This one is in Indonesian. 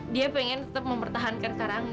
dia pengen tetap mempertahankan karang